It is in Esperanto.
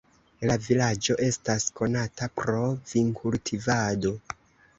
La vilaĝo estas konata pro vinkultivado.